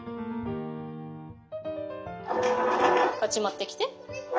こっち持ってきて。